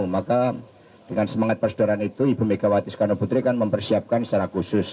maka dengan semangat persaudaraan itu ibu megawati soekarno putri kan mempersiapkan secara khusus